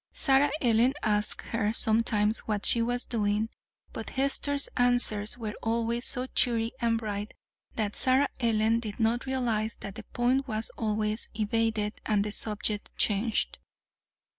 Sarah Ellen asked her sometimes what she was doing, but Hester's answers were always so cheery and bright that Sarah Ellen did not realize that the point was always evaded and the subject changed.